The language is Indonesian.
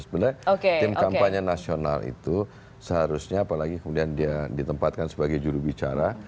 sebenarnya tim kampanye nasional itu seharusnya apalagi kemudian dia ditempatkan sebagai jurubicara